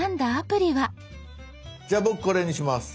じゃあ僕これにします。